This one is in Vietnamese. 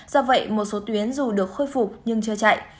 do vậy một số tuyến dù được khôi phục nhưng chưa chạy